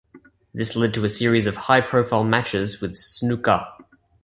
This led to a series of high-profile matches with Snuka.